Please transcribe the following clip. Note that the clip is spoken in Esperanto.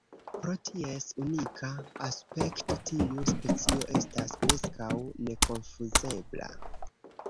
Pro ties unika aspekto, tiu specio estas preskaŭ nekonfuzebla.